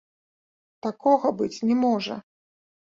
Такога быць не можа!